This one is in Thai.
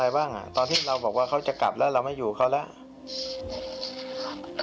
บ้างอ่ะตอนที่เราบอกว่าเขาจะกลับแล้วเราไม่อยู่เขาแล้ว